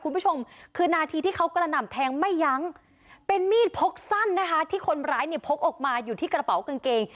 คุณผู้ชมคือนาทีที่เขากระหน่ำแทงไม่ยั้งเป็นมีดพกสั้นนะคะที่คนร้ายเนี่ยพกออกมาอยู่ที่กระเป๋ากางเกง